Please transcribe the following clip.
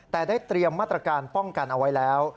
แต่ได้เตรียมมาตรการป้องกันเอาไว้แล้ว